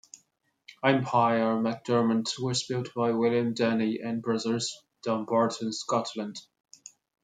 "Empire MacDermott" was built by William Denny and Brothers, Dumbarton, Scotland.